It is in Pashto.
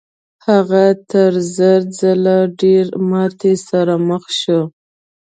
هغه تر زر ځله له ډېرې ماتې سره مخ شو.